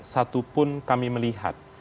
satupun kami melihat